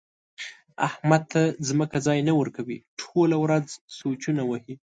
احمد ته ځمکه ځای نه ورکوي؛ ټوله ورځ سوچونه وهي.